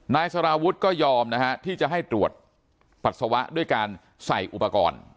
นายสารวุฒิก็ยอมนะฮะที่จะให้ตรวจปัสสาวะด้วยการใส่อุปกรณ์